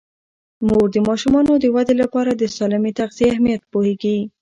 مور د ماشومانو د ودې لپاره د سالمې تغذیې اهمیت پوهیږي.